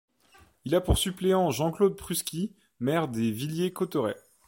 Il a pour suppléant Jean-Claude Pruski, maire de Villers-Cotterêts.